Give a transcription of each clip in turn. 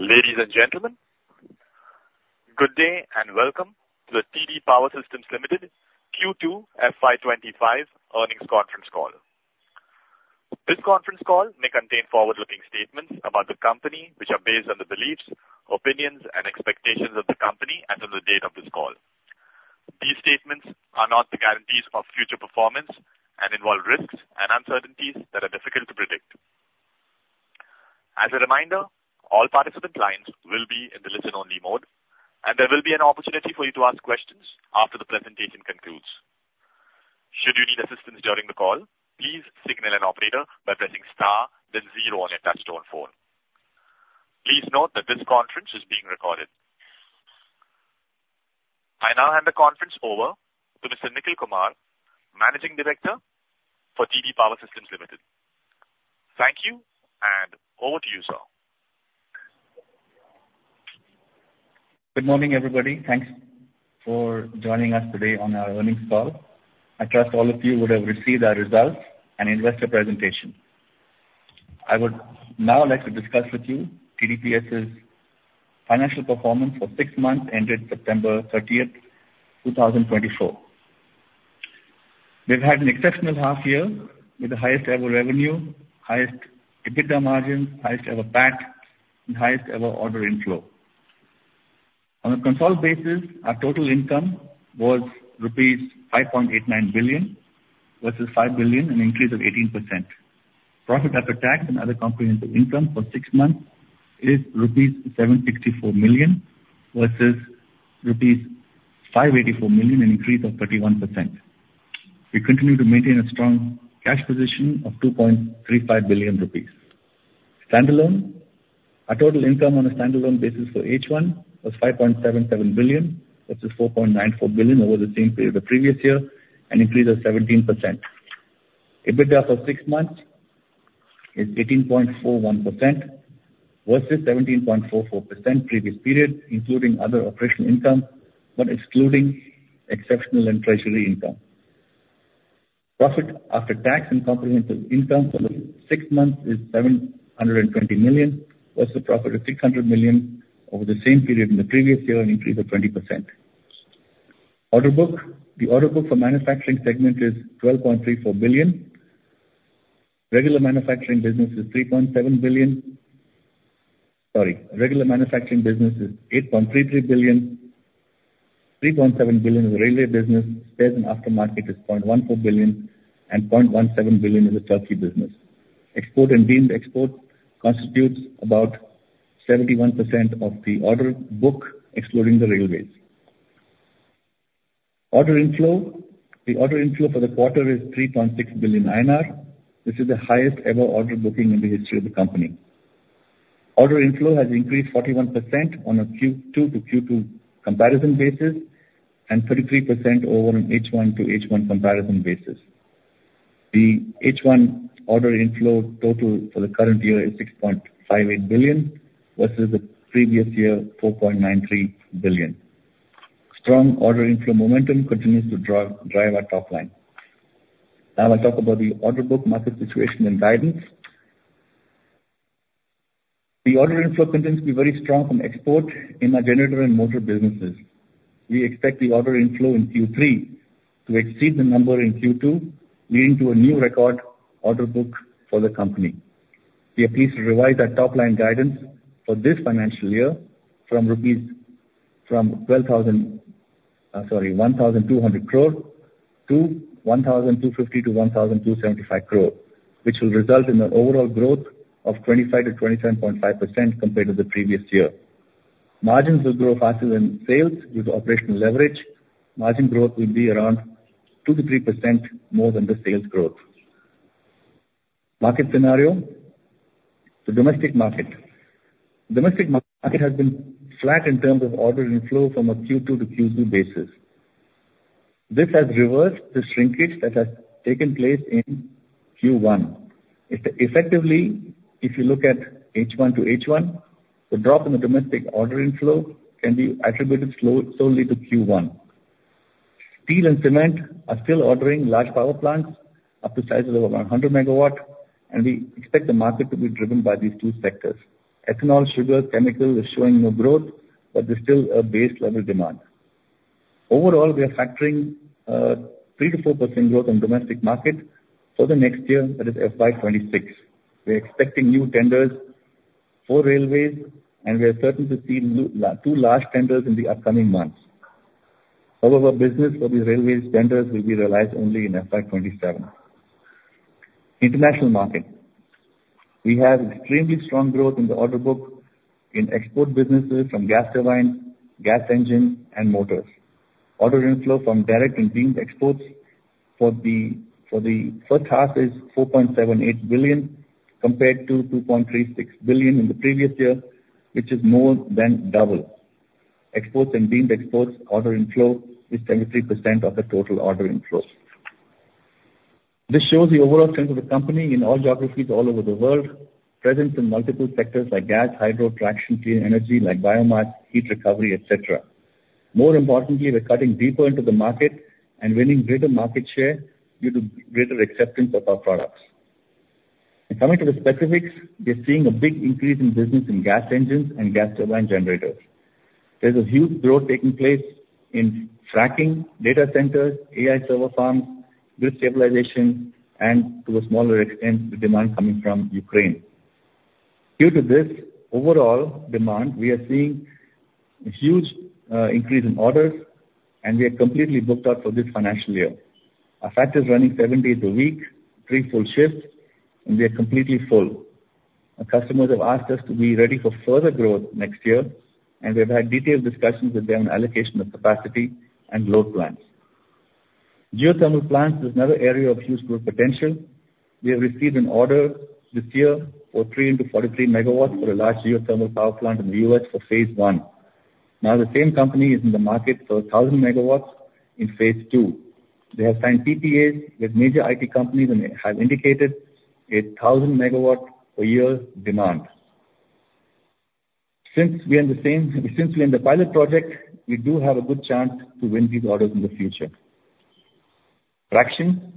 Ladies and gentlemen, good day and welcome to the TD Power Systems Limited Q2 FY 2025 earnings conference call. This conference call may contain forward-looking statements about the company, which are based on the beliefs, opinions, and expectations of the company as of the date of this call. These statements are not the guarantees of future performance and involve risks and uncertainties that are difficult to predict. As a reminder, all participant lines will be in the listen-only mode, there will be an opportunity for you to ask questions after the presentation concludes. Should you need assistance during the call, please signal an operator by pressing star then zero on your touch-tone phone. Please note that this conference is being recorded. I now hand the conference over to Mr. Nikhil Kumar, Managing Director for TD Power Systems Limited. Thank you, over to you, sir. Good morning, everybody. Thanks for joining us today on our earnings call. I trust all of you would have received our results and investor presentation. I would now like to discuss with you TDPS's financial performance for 6 months ended September 30, 2024. We've had an exceptional half year with the highest-ever revenue, highest EBITDA margin, highest-ever PAT, and highest-ever order inflow. On a consolidated basis, our total income was rupees 5.89 billion versus 5 billion, an increase of 18%. Profit after tax and other comprehensive income for 6 months is rupees 764 million versus rupees 584 million, an increase of 31%. We continue to maintain a strong cash position of 2.35 billion rupees. Standalone. Our total income on a standalone basis for H1 was 5.77 billion versus 4.94 billion over the same period the previous year, an increase of 17%. EBITDA for 6 months is 18.41% versus 17.44% previous period, including other operational income, but excluding exceptional and treasury income. Profit after tax and comprehensive income for the 6 months is 720 million versus a profit of 600 million over the same period in the previous year, an increase of 20%. Order book. The order book for manufacturing segment is 12.34 billion. Regular manufacturing business is 3.7 billion. Sorry, regular manufacturing business is 8.33 billion. 3.7 billion is the railway business. Spares and aftermarket is 0.14 billion, 0.17 billion is the Turkey business. Export and deemed export constitutes about 71% of the order book, excluding the railways. Order inflow. The order inflow for the quarter is 3.6 billion INR. This is the highest-ever order booking in the history of the company. Order inflow has increased 41% on a Q2-to-Q2 comparison basis, 33% over an H1-to-H1 comparison basis. The H1 order inflow total for the current year is 6.58 billion versus the previous year, 4.93 billion. Strong order inflow momentum continues to drive our top line. I'll talk about the order book market situation and guidance. The order inflow continues to be very strong from export in our generator and motor businesses. We expect the order inflow in Q3 to exceed the number in Q2, leading to a new record order book for the company. We are pleased to revise our top-line guidance for this financial year from 1,200 crore to 1,250-1,275 crore, which will result in an overall growth of 25%-27.5% compared to the previous year. Margins will grow faster than sales due to operational leverage. Margin growth will be around 2%-3% more than the sales growth. Market scenario. The domestic market. Domestic market has been flat in terms of order inflow from a Q2 to Q2 basis. This has reversed the shrinkage that has taken place in Q1. Effectively, if you look at H1 to H1, the drop in the domestic order inflow can be attributed solely to Q1. Steel and cement are still ordering large power plants up to sizes of 100 MW, and we expect the market to be driven by these two sectors. Ethanol, sugar, chemical is showing no growth, but there's still a base-level demand. Overall, we are factoring a 3%-4% growth on domestic market for the next year, that is FY 2026. We're expecting new tenders for Indian Railways and we are certain to see two large tenders in the upcoming months. However, business for these Indian Railways tenders will be realized only in FY 2027. International market. We have extremely strong growth in the order book in export businesses from gas turbine, gas engine, and motors. Order inflow from direct and deemed exports for the first half is 4.78 billion, compared to 2.36 billion in the previous year, which is more than double. Exports and deemed exports order inflow is 33% of the total order inflows. This shows the overall strength of the company in all geographies all over the world, present in multiple sectors like gas, hydro, traction, clean energy like biomass, heat recovery, et cetera. More importantly, we're cutting deeper into the market and winning greater market share due to greater acceptance of our products. Coming to the specifics, we are seeing a big increase in business in gas engines and gas turbine generators. There's a huge growth taking place in fracking, data centers, AI server farms, grid stabilization, and to a smaller extent, the demand coming from Ukraine. Due to this overall demand, we are seeing a huge increase in orders, and we are completely booked out for this financial year. Our factory is running seven days a week, three full shifts, and we are completely full. Our customers have asked us to be ready for further growth next year, and we've had detailed discussions with them on allocation of capacity and load plans. Geothermal plants is another area of huge growth potential. We have received an order this year for 3 into 43 MW for a large geothermal power plant in the U.S. for phase 1. The same company is in the market for 1,000 MW in phase 2. They have signed PPAs with major IT companies and have indicated 1,000 MW per year demand. Since we are in the pilot project, we do have a good chance to win these orders in the future. Traction.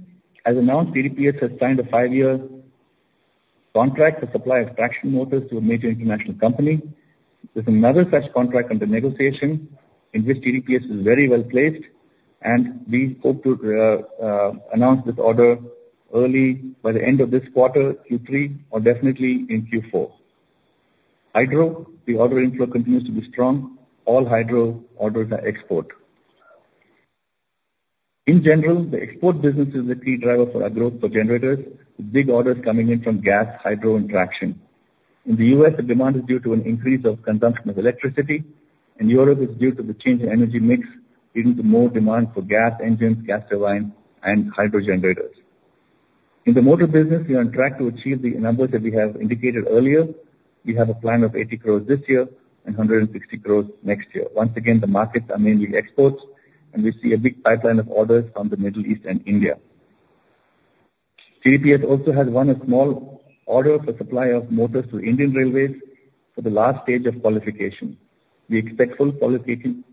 As announced, TDPS has signed a five-year contract to supply traction motors to a major international company. There is another such contract under negotiation, in which TDPS is very well placed, and we hope to announce this order early by the end of this quarter, Q3, or definitely in Q4. Hydro. The order inflow continues to be strong. All hydro orders are export. In general, the export business is a key driver for our growth for generators, with big orders coming in from gas, hydro, and traction. In the U.S., the demand is due to an increase of consumption of electricity. In Europe, it is due to the change in energy mix leading to more demand for gas engines, gas turbines, and hydro generators. In the motor business, we are on track to achieve the numbers that we have indicated earlier. We have a plan of 80 crore this year and 160 crore next year. Once again, the markets are mainly exports, and we see a big pipeline of orders from the Middle East and India. TDPS also has won a small order for supply of motors to Indian Railways for the last stage of qualification. We expect full qualification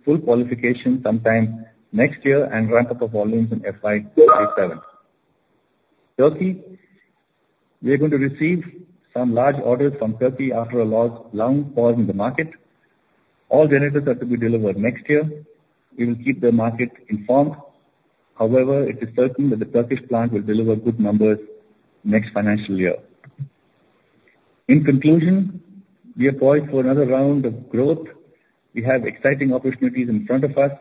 sometime next year and ramp up of volumes in FY 2027. Turkey. We are going to receive some large orders from Turkey after a long pause in the market. All generators are to be delivered next year. We will keep the market informed. However, it is certain that the Turkish plant will deliver good numbers next financial year. In conclusion, we are poised for another round of growth. We have exciting opportunities in front of us,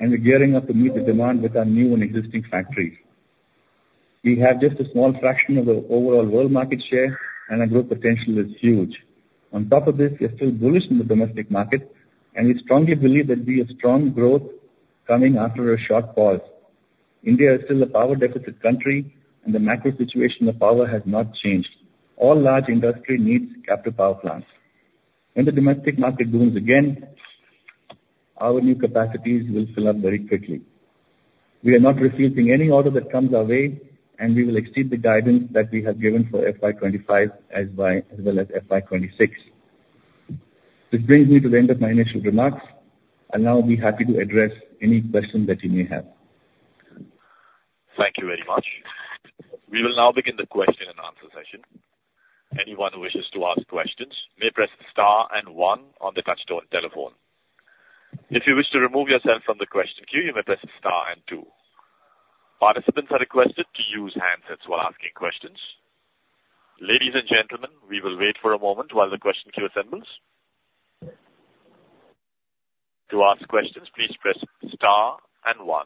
and we are gearing up to meet the demand with our new and existing factories. We have just a small fraction of the overall world market share, and our growth potential is huge. On top of this, we are still bullish in the domestic market, and we strongly believe there will be a strong growth coming after a short pause. India is still a power deficit country, and the macro situation of power has not changed. All large industry needs captive power plants. When the domestic market booms again, our new capacities will fill up very quickly. We are not refusing any order that comes our way, and we will exceed the guidance that we have given for FY 2025 as well as FY 2026. This brings me to the end of my initial remarks. I will now be happy to address any questions that you may have. Thank you very much. We will now begin the question and answer session. Anyone who wishes to ask questions may press star and one on the touchtone telephone. If you wish to remove yourself from the question queue, you may press star and two. Participants are requested to use handsets while asking questions. Ladies and gentlemen, we will wait for a moment while the question queue assembles. To ask questions, please press star and one.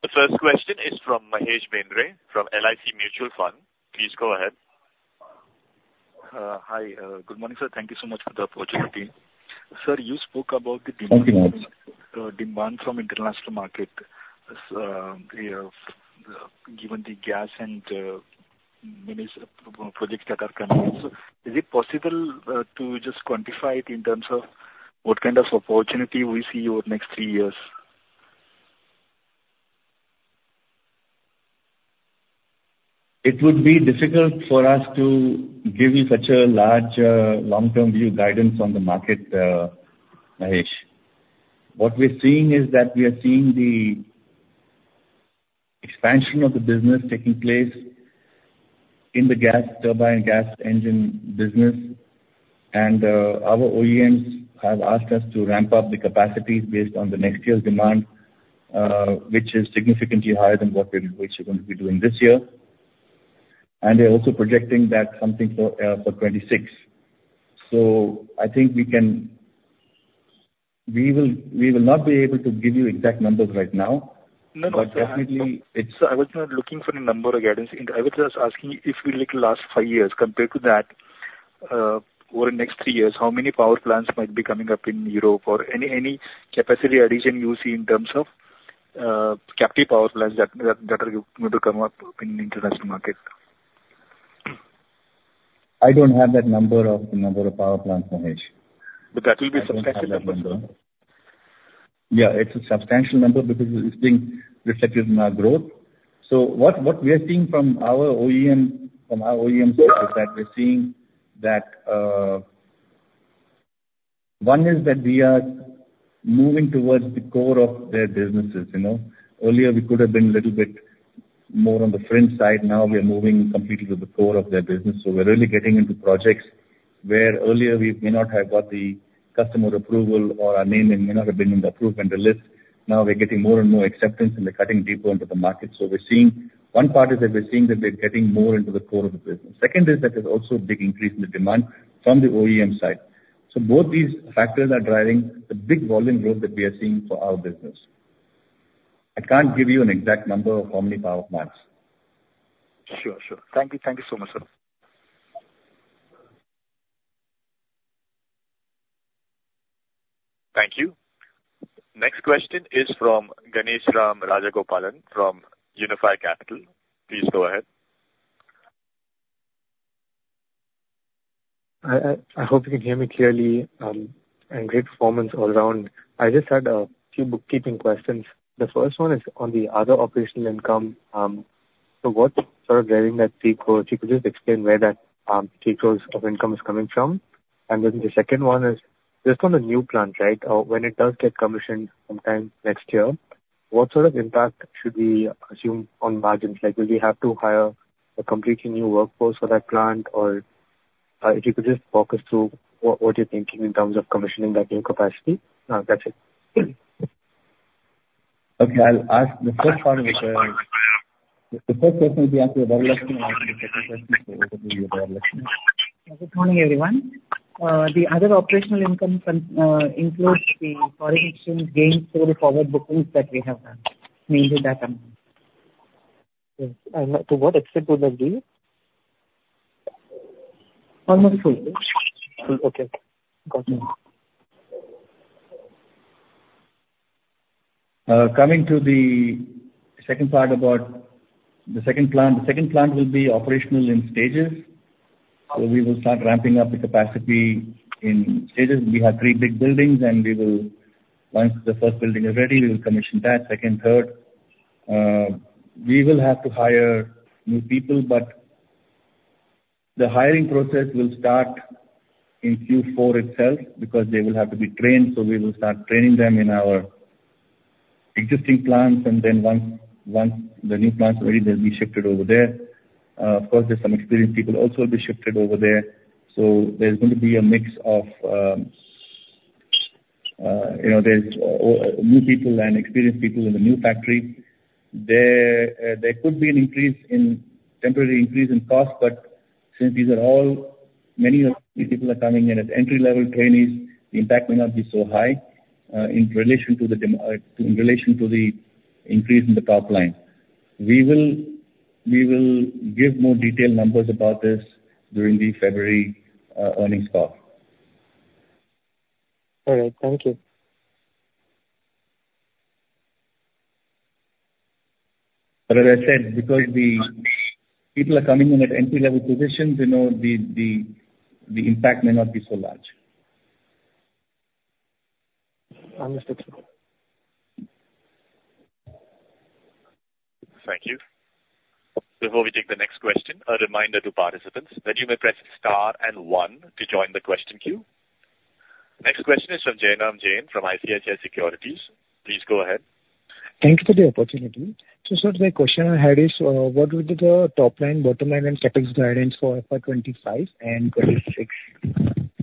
The first question is from Mahesh Mendre, from LIC Mutual Fund. Please go ahead. Hi. Good morning, sir. Thank you so much for the opportunity. Sir, you spoke about the- Thank you Mahesh demand from international market. Given the gas and many projects that are coming. Is it possible to just quantify it in terms of what kind of opportunity we see over the next three years? It would be difficult for us to give you such a large, long-term view guidance on the market, Mahesh. What we're seeing is that we are seeing the expansion of the business taking place in the gas turbine, gas engine business. Our OEMs have asked us to ramp up the capacities based on the next year's demand, which is significantly higher than what we're going to be doing this year. They're also projecting that something for 2026. I think we will not be able to give you exact numbers right now. No. But definitely- Sir, I was not looking for a number or guidance. I was just asking if we look last five years, compared to that, over the next three years, how many power plants might be coming up in Europe or any capacity addition you see in terms of captive power plants that are going to come up in the international market? I don't have that number of the number of power plants, Mahesh. That will be substantial, that number. Yeah, it's a substantial number because it's being reflected in our growth. What we are seeing from our OEM side is that we're seeing that one is that we are moving towards the core of their businesses. Earlier we could have been a little bit more on the fringe side, now we are moving completely to the core of their business. We're really getting into projects where earlier we may not have got the customer approval or our name may not have been in the approved vendor list. Now we're getting more and more acceptance, and we're cutting deeper into the market. One part is that we're seeing that we're getting more into the core of the business. Second is that there's also a big increase in the demand from the OEM side. Both these factors are driving the big volume growth that we are seeing for our business. I can't give you an exact number of how many power packs. Sure. Thank you so much, sir. Thank you. Next question is from Ganesh Ram Rajagopalan from Unifi Capital. Please go ahead. I hope you can hear me clearly, great performance all around. I just had a few bookkeeping questions. The first one is on the other operational income. What's sort of driving that INR 3 crore? If you could just explain where that INR 3 crore of income is coming from. The second one is just on the new plant. When it does get commissioned sometime next year, what sort of impact should we assume on margins? Will we have to hire a completely new workforce for that plant? If you could just walk us through what you're thinking in terms of commissioning that new capacity. That's it. Okay. The first question will be answered by over to you by. Good morning, everyone. The other operational income includes the foreign exchange gains through the forward bookings that we have done, mainly that amount. Yes. To what extent would that be? Almost full. Okay. Got it. Coming to the second part about the second plant. The second plant will be operational in stages. We will start ramping up the capacity in stages. We have three big buildings, and once the first building is ready, we'll commission that, second, third. We will have to hire new people, but the hiring process will start in Q4 itself because they will have to be trained. We will start training them in our existing plants, and then once the new plant's ready, they'll be shifted over there. Of course, there's some experienced people also will be shifted over there. There's going to be a mix of new people and experienced people in the new factory. There could be a temporary increase in cost, but since many of these people are coming in as entry-level trainees, the impact may not be so high, in relation to the increase in the top line. We will give more detailed numbers about this during the February earnings call. All right. Thank you. As I said, because the people are coming in at entry-level positions, the impact may not be so large. Understood. Thank you. Before we take the next question, a reminder to participants that you may press star and one to join the question queue. Next question is from Jayaram Jain from ICICI Securities. Please go ahead. Thank you for the opportunity. Sir, the question I had is, what would be the top line, bottom line, and CapEx guidance for FY 2025 and 2026?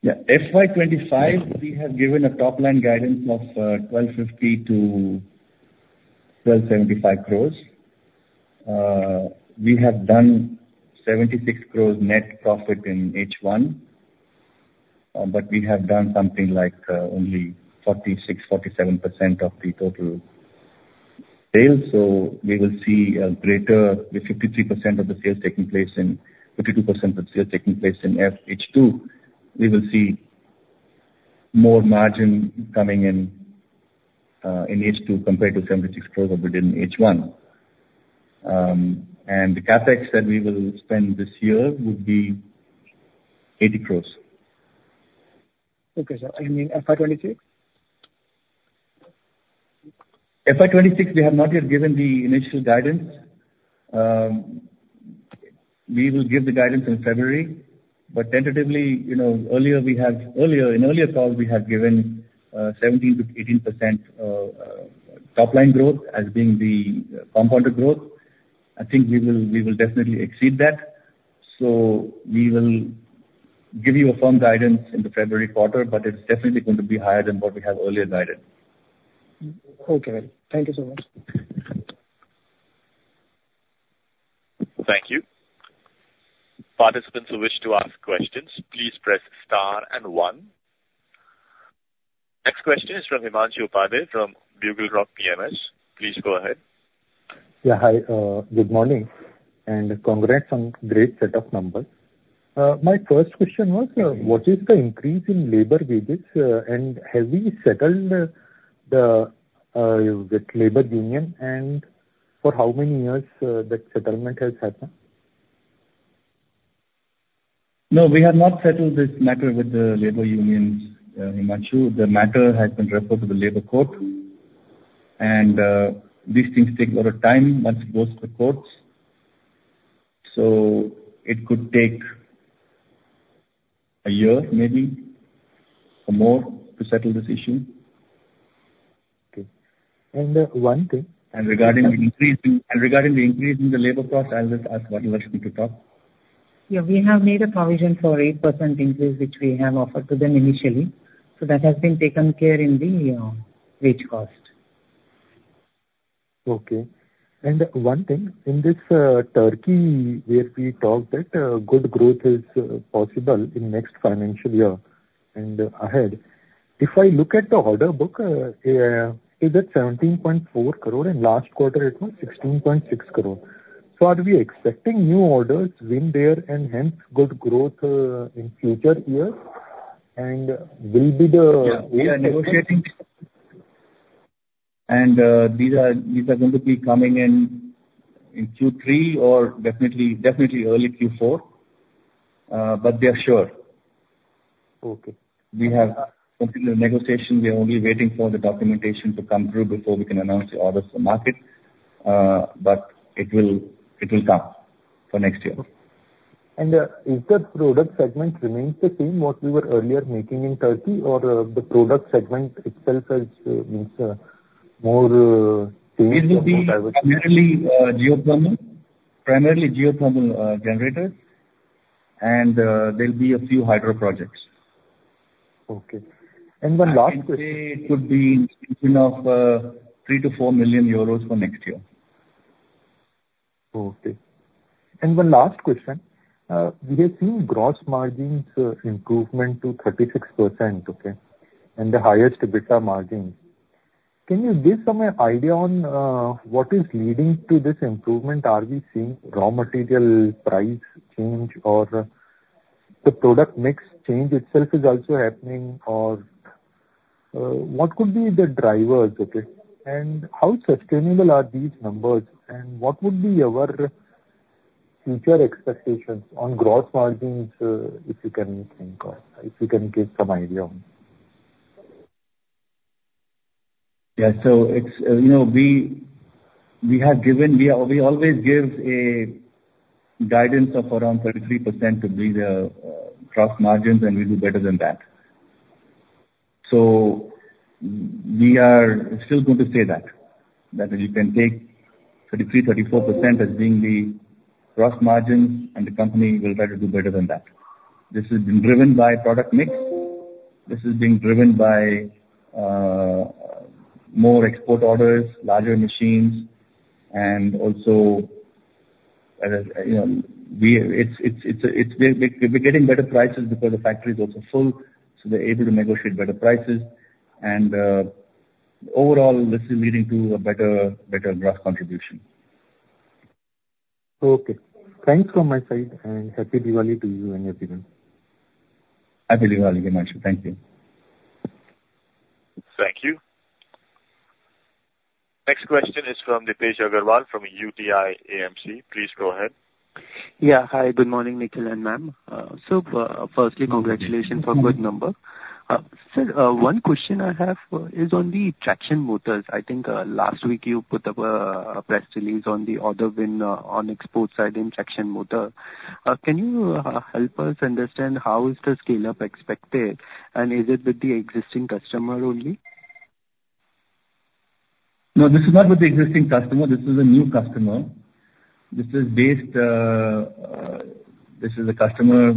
Yeah. FY 2025, we have given a top-line guidance of 1,250 crore to 1,275 crore. We have done 76 crore net profit in H1, but we have done something like only 46%, 47% of the total sales. We will see a greater with 52% of the sales taking place in H2. We will see more margin coming in H2 compared to 76 crore that we did in H1. The CapEx that we will spend this year would be 80 crore. Okay, sir. You mean FY 2026? FY 2026, we have not yet given the initial guidance. We will give the guidance in February, but tentatively, in earlier calls, we have given 17%-18% top-line growth as being the compounded growth. I think we will definitely exceed that. We will give you a firm guidance in the February quarter, but it's definitely going to be higher than what we have earlier guided. Okay. Thank you so much. Thank you. Participants who wish to ask questions, please press star and one. Next question is from Himanshu Upadhyay from BugleRock PMS. Please go ahead. Yeah. Hi. Good morning. Congrats on great set of numbers. My first question was, what is the increase in labor wages? Have we settled with labor union? For how many years that settlement has happened? No, we have not settled this matter with the labor unions, Himanshu. The matter has been referred to the labor court, these things take a lot of time once it goes to courts. It could take a year maybe or more to settle this issue. Okay. One thing. Regarding the increase in the labor cost, I'll just ask Varshini to talk. We have made a provision for 8% increase, which we have offered to them initially. That has been taken care of in the wage cost. One thing, in this Turkey, where we talked that good growth is possible in next financial year and ahead. If I look at the order book, is it 17.4 crore, and last quarter it was 16.6 crore. Are we expecting new orders when there and hence good growth in future years? We are negotiating. These are going to be coming in in Q3 or definitely early Q4. They are sure. Okay. We have completed the negotiation. We are only waiting for the documentation to come through before we can announce the orders to the market. It will come for next year. Is that product segment remains the same what we were earlier making in Turkey or the product segment itself is more changed or more diverse? It will be primarily geothermal generators. There'll be a few hydro projects. Okay. One last question. They could be in region of €3 to €4 million for next year. Okay. One last question. We have seen gross margins improvement to 36%, okay, and the highest EBITDA margins. Can you give some idea on what is leading to this improvement? Are we seeing raw material price change or the product mix change itself is also happening or what could be the drivers, okay? How sustainable are these numbers and what would be our future expectations on gross margins, if you can think of, if you can give some idea on it? Yeah. We always give a guidance of around 33% to be the gross margins, and we do better than that. We are still going to say that you can take 33%, 34% as being the gross margins, and the company will try to do better than that. This is being driven by product mix. This is being driven by more export orders, larger machines, and also we're getting better prices because the factory is also full, so we're able to negotiate better prices. Overall, this is leading to a better gross contribution. Okay. Thanks from my side, happy Diwali to you and your team. Happy Diwali, Himanshu. Thank you. Thank you. Next question is from Deepesh Agarwal from UTI AMC. Please go ahead. Yeah. Hi, good morning, Nikhil and ma'am. Firstly, congratulations for good numbers. Sir, one question I have is on the traction motors. I think last week you put up a press release on the order win on export side in traction motor. Can you help us understand how is the scale-up expected, and is it with the existing customer only? No, this is not with the existing customer. This is a new customer. This is a customer,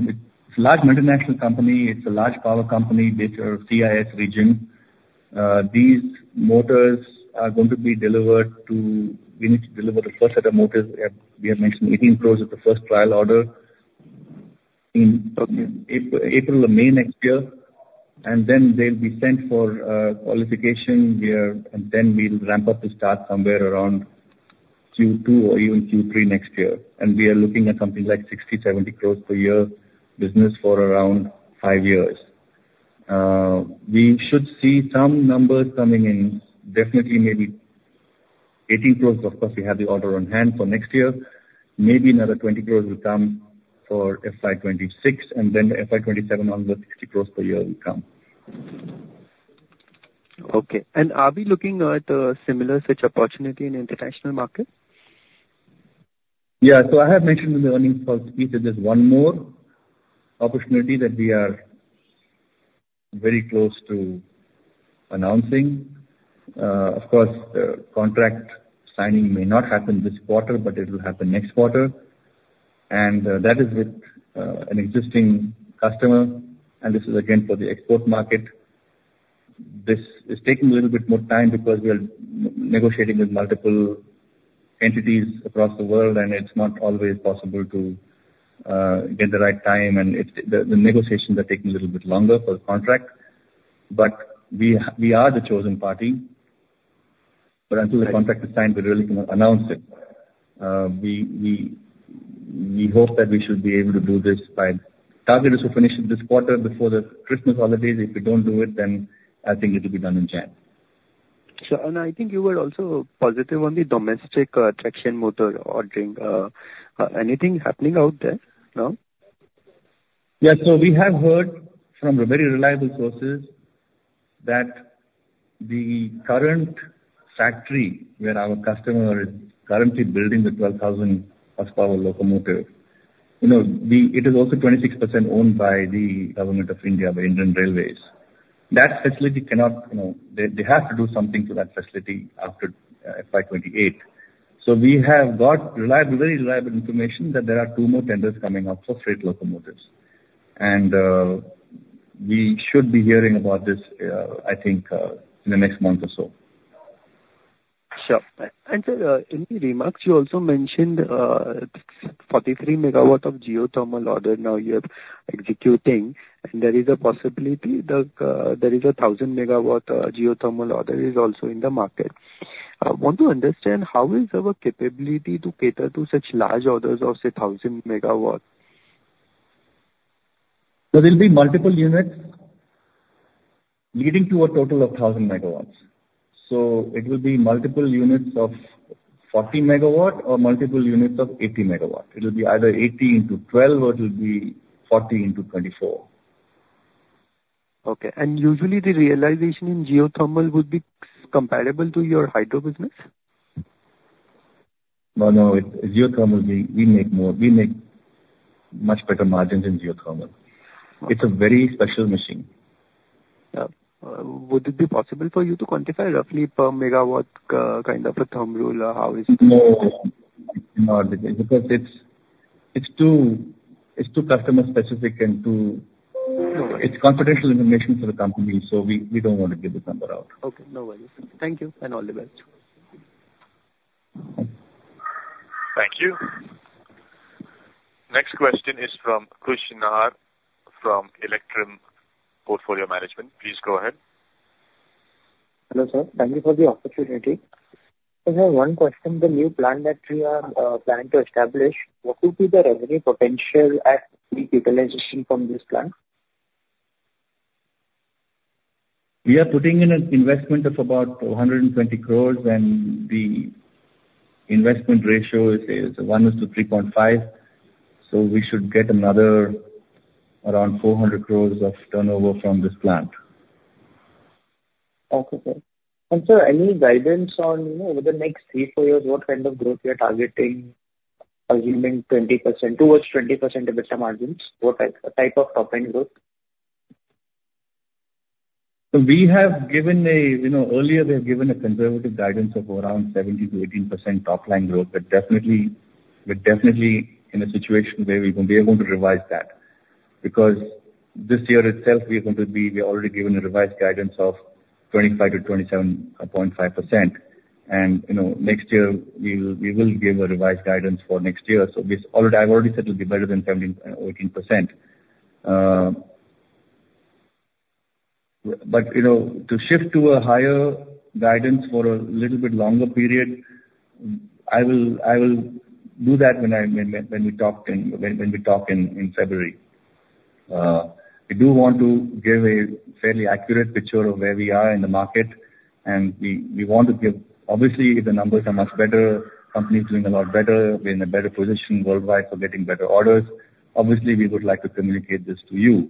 it's a large multinational company. It's a large power company based out of CIS region. These motors are going to be delivered. We need to deliver the first set of motors. We have mentioned 18 crores with the first trial order in probably April or May next year. Then they'll be sent for qualification, and then we'll ramp up to start somewhere around Q2 or even Q3 next year. We are looking at something like 60-70 crores per year business for around five years. We should see some numbers coming in definitely maybe 18 crores. Of course, we have the order on hand for next year. Maybe another 20 crores will come for FY 2026, and then the FY 2027 orders, 60 crores per year will come. Okay. Are we looking at a similar such opportunity in international market? Yeah. I have mentioned in the earnings call speech that there is one more opportunity that we are very close to announcing. Of course, contract signing may not happen this quarter, but it will happen next quarter. That is with an existing customer, and this is again for the export market. This is taking a little bit more time because we are negotiating with multiple entities across the world, and it is not always possible to get the right time, and the negotiations are taking a little bit longer for the contract. We are the chosen party. Until the contract is signed, we really cannot announce it. We hope that we should be able to do this. Target is to finish it this quarter before the Christmas holidays. If we do not do it, then I think it will be done in January. Sure. I think you were also positive on the domestic traction motor ordering. Anything happening out there now? Yes. We have heard from very reliable sources that the current factory where our customer is currently building the 12,000 horsepower locomotive. It is also 26% owned by the government of India, the Indian Railways. They have to do something to that facility by 2028. We have got very reliable information that there are two more tenders coming up for freight locomotives. We should be hearing about this, I think, in the next month or so. Sir, in the remarks, you also mentioned 43 MW of geothermal order now you are executing, and there is a possibility that there is 1,000 MW geothermal order is also in the market. I want to understand how is our capability to cater to such large orders of, say, 1,000 MW? There will be multiple units leading to a total of 1,000 MW. It will be multiple units of 40 MW or multiple units of 80 MW. It will be either 80 into 12, or it will be 40 into 24. Okay. Usually the realization in geothermal would be comparable to your hydro business? No, no. We make much better margins in geothermal. It's a very special machine. Would it be possible for you to quantify roughly per megawatt, kind of a thumb rule? How is it? No. It's too customer specific and it's confidential information for the company, so we don't want to give this number out. Okay. No worries. Thank you, and all the best. Thank you. Next question is from Khush Nahar from Electrum Portfolio Managers. Please go ahead. Hello, sir. Thank you for the opportunity. I have one question. The new plant that we are planning to establish, what will be the revenue potential at peak utilization from this plant? We are putting in an investment of about 120 crores, and the investment ratio is 1 to 3.5. We should get another around 400 crores of turnover from this plant. Okay, sir. Sir, any guidance on over the next three, four years, what kind of growth you are targeting assuming towards 20% EBITDA margins? What type of top-line growth? Earlier, we have given a conservative guidance of around 17%-18% top-line growth. Definitely in a situation where we are going to revise that. This year itself, we're already given a revised guidance of 25%-27.5%. We will give a revised guidance for next year. I've already said it will be better than 17%, 18%. To shift to a higher guidance for a little bit longer period, I will do that when we talk in February. We do want to give a fairly accurate picture of where we are in the market. Obviously, the numbers are much better. Company is doing a lot better. We're in a better position worldwide for getting better orders. Obviously, we would like to communicate this to you.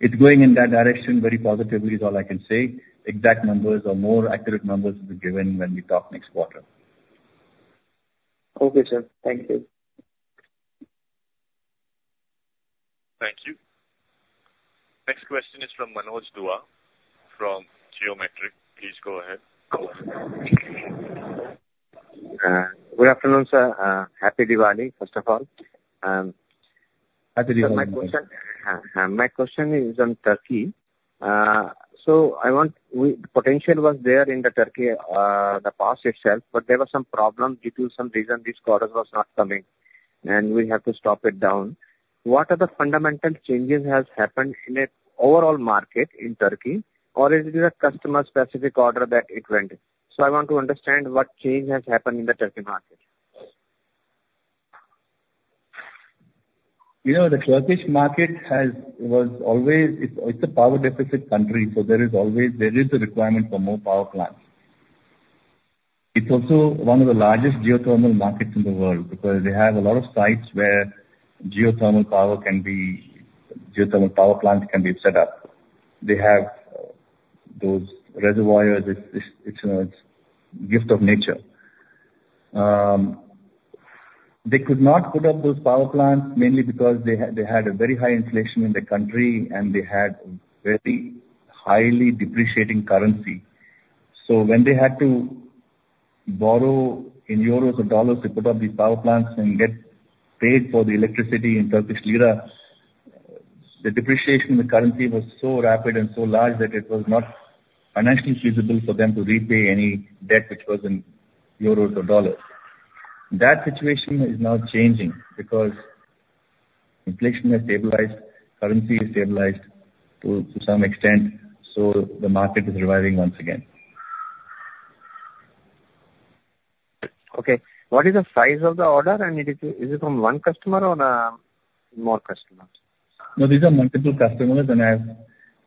It's going in that direction very positively is all I can say. Exact numbers or more accurate numbers will be given when we talk next quarter. Okay, sir. Thank you. Thank you. Next question is from Manoj Dua from Geometric. Please go ahead. Good afternoon, sir. Happy Diwali, first of all. Happy Diwali. My question is on Turkey. The potential was there in Turkey, the past itself, but there were some problems due to some reason this quarter was not coming, and we have to stop it down. What are the fundamental changes has happened in a overall market in Turkey? Or is it a customer specific order that it went in? I want to understand what change has happened in the Turkey market. The Turkish market, it's a power deficit country, so there is a requirement for more power plants. It's also one of the largest geothermal markets in the world because they have a lot of sites where geothermal power plants can be set up. They have those reservoirs. It's a gift of nature. They could not put up those power plants, mainly because they had a very high inflation in the country, and they had a very highly depreciating currency. When they had to borrow in euros or dollars to put up these power plants and get paid for the electricity in Turkish lira, the depreciation in the currency was so rapid and so large that it was not financially feasible for them to repay any debt which was in euros or dollars. That situation is now changing because inflation has stabilized, currency is stabilized to some extent, so the market is reviving once again. Okay. What is the size of the order, and is it from one customer or more customers? No, these are multiple customers, and I have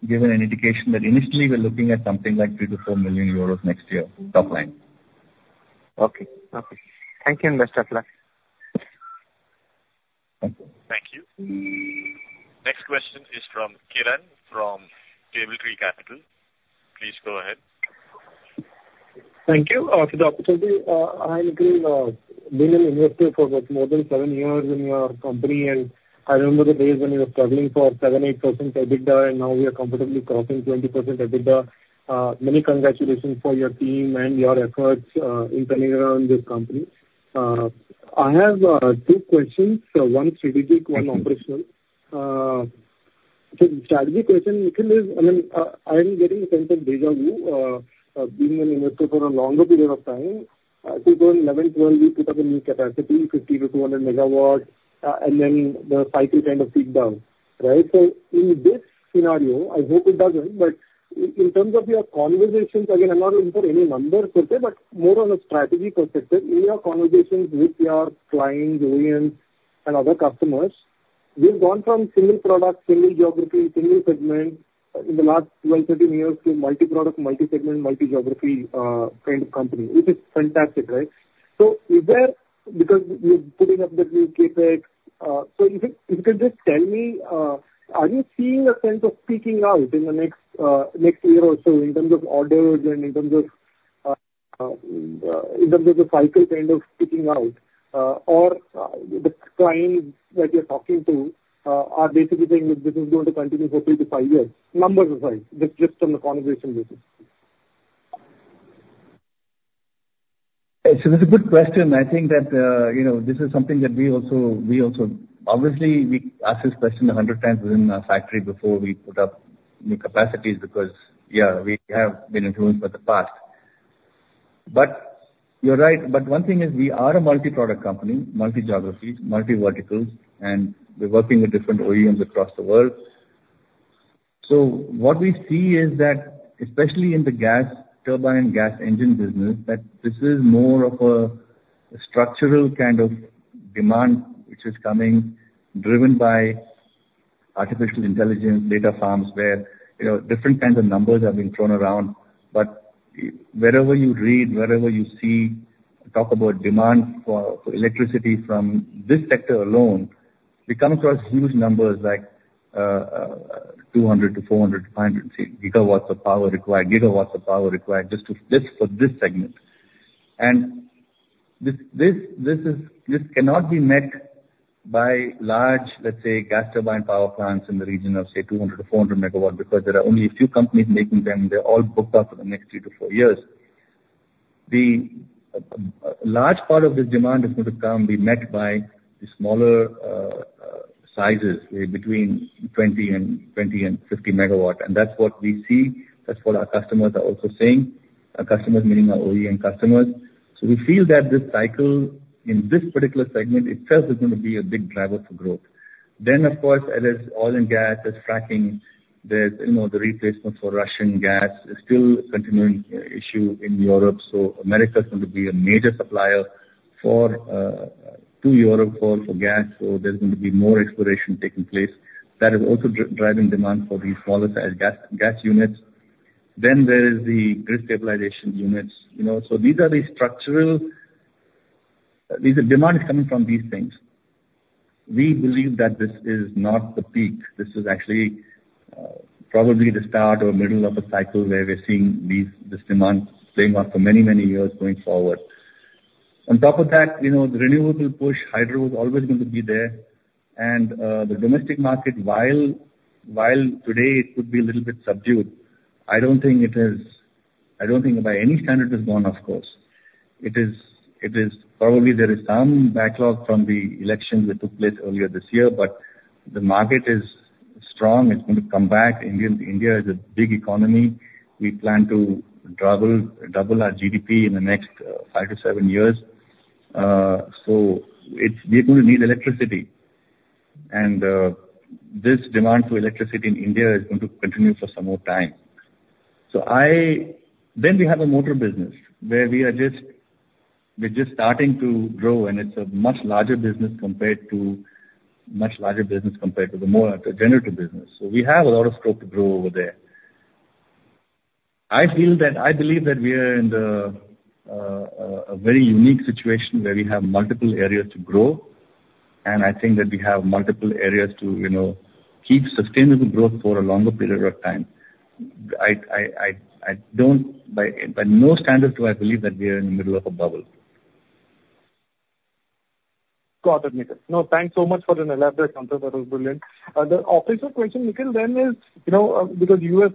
given an indication that initially we're looking at something like 3 million-4 million euros next year top line. Okay. Thank you, and best of luck. Thank you. Thank you. Next question is from Kiran from Cable Tree Capital. Please go ahead. Thank you for the opportunity. I've been an investor for more than seven years in your company, and I remember the days when we were struggling for seven%, eight% EBITDA, and now we are comfortably crossing 20% EBITDA. Many congratulations for your team and your efforts in turning around this company. I have two questions, one strategic, one operational. Strategic question, Nikhil, I am getting a sense of deja vu, being an investor for a longer period of time. I think 2011, 2012, we put up a new capacity, 50-200 megawatts, and then the cycle kind of peaked down, right? In this scenario, I hope it doesn't, but in terms of your conversations, again, I'm not looking for any numbers, but more on a strategic perspective, in your conversations with your clients, OEMs and other customers, we've gone from single product, single geography, single segment in the last 12, 13 years to multi-product, multi-segment, multi-geography kind of company, which is fantastic, right? Because you're putting up the new CapEx, if you could just tell me, are you seeing a sense of peaking out in the next year or so in terms of orders and in terms of the cycle kind of peaking out? Or the clients that you're talking to are basically saying that this is going to continue for 3-5 years? Numbers aside, just from the conversation basis. That's a good question. I think that this is something that obviously we ask this question 100 times within our factory before we put up new capacities because, yeah, we have been influenced by the past. You're right. One thing is we are a multi-product company, multi-geography, multi-vertical, and we're working with different OEMs across the world. What we see is that, especially in the gas turbine, gas engine business, that this is more of a structural kind of demand, which is coming driven by artificial intelligence, data farms, where different kinds of numbers have been thrown around. Wherever you read, wherever you see talk about demand for electricity from this sector alone, we come across huge numbers like 200-400-500 gigawatts of power required just for this segment. This cannot be met by large, let's say, gas turbine power plants in the region of, say, 200-400 megawatts, because there are only a few companies making them. They're all booked up for the next 3-4 years. A large part of this demand is going to be met by the smaller sizes between 20-50 megawatts. That's what we see. That's what our customers are also saying. Our customers, meaning our OEM customers. We feel that this cycle in this particular segment itself is going to be a big driver for growth. Of course, there's oil and gas, there's fracking. There's the replacement for Russian gas is still a continuing issue in Europe. America is going to be a major supplier to Europe for gas. There's going to be more exploration taking place. That is also driving demand for these smaller size gas units. There is the grid stabilization units. Demand is coming from these things. We believe that this is not the peak. This is actually probably the start or middle of a cycle where we're seeing this demand staying on for many, many years going forward. On top of that, the renewables push, hydro is always going to be there. The domestic market, while today it could be a little bit subdued, I don't think by any standard has gone off course. Probably there is some backlog from the elections that took place earlier this year, but the market is strong. It's going to come back. India is a big economy. We plan to double our GDP in the next 5-7 years. We're going to need electricity. This demand for electricity in India is going to continue for some more time. We have a motor business where we're just starting to grow, and it's a much larger business compared to the more generator business. We have a lot of scope to grow over there. I believe that we are in a very unique situation where we have multiple areas to grow, and I think that we have multiple areas to keep sustainable growth for a longer period of time. By no standard do I believe that we are in the middle of a bubble. Got it, Nikhil. Thanks so much for an elaborate answer. That was brilliant. The operative question, Nikhil, when you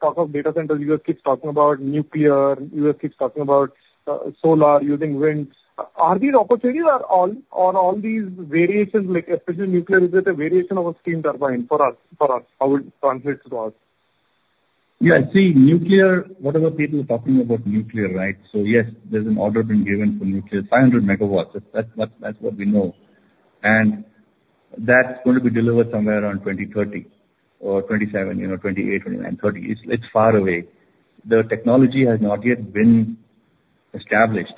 talk of data centers, U.S. keeps talking about nuclear, U.S. keeps talking about solar using wind. Are these opportunities or all these variations, like especially nuclear, is it a variation of a steam turbine for us? How it translates to us? Yeah. See, nuclear. What are the people talking about nuclear, right? Yes, there is an order being given for nuclear, 500 megawatts. That is what we know. That is going to be delivered somewhere around 2030 or 2027, 2028, 2029, 2030. It is far away. The technology has not yet been established.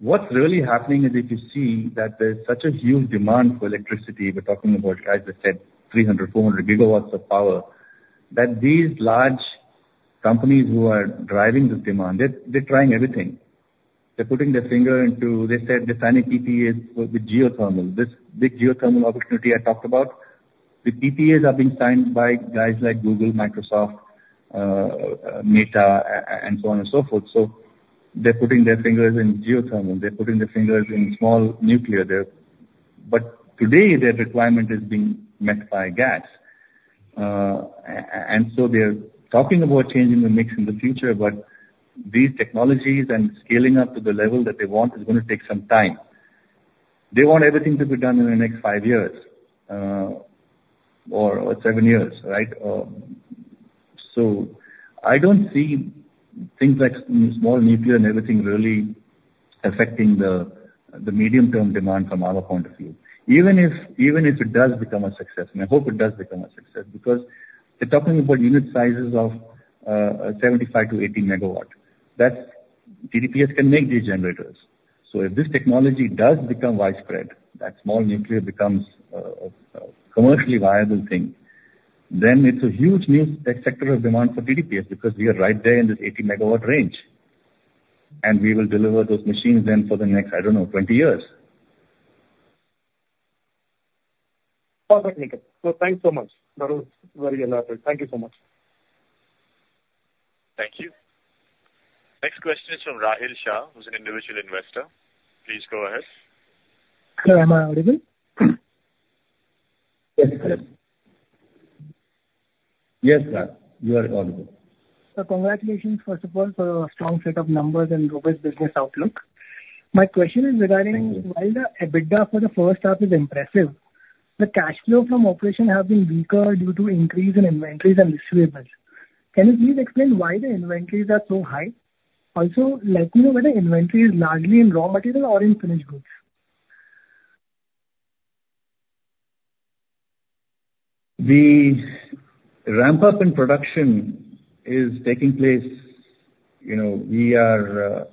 What is really happening is if you see that there is such a huge demand for electricity, we are talking about, as I said, 300, 400 gigawatts of power, that these large companies who are driving this demand, they are trying everything. They are putting their finger into, they said they are signing PPAs with geothermal. This big geothermal opportunity I talked about, the PPAs are being signed by guys like Google, Microsoft, Meta, and so on and so forth. They are putting their fingers in geothermal. They are putting their fingers in small nuclear. Today, their requirement is being met by gas. They are talking about changing the mix in the future, but these technologies and scaling up to the level that they want is going to take some time. They want everything to be done in the next five years or seven years, right? I do not see things like small nuclear and everything really affecting the medium-term demand from our point of view. Even if it does become a success, and I hope it does become a success, because they are talking about unit sizes of 75 to 80 megawatt. TDPS can make these generators. If this technology does become widespread, that small nuclear becomes a commercially viable thing, then it is a huge new sector of demand for TDPS because we are right there in the 80 megawatt range. We will deliver those machines then for the next, I do not know, 20 years. Perfect, Niket. Thanks so much. That was very elaborate. Thank you so much. Thank you. Next question is from Rahil Shah, who is an individual investor. Please go ahead. Sir, am I audible? Yes, sir. Yes, sir. You are audible. Sir, congratulations, first of all, for a strong set of numbers and robust business outlook. My question is regarding- Thank you. While the EBITDA for the first half is impressive, the cash flow from operation has been weaker due to increase in inventories and receivables. Can you please explain why the inventories are so high? Also, let me know whether inventory is largely in raw material or in finished goods. The ramp-up in production is taking place. We're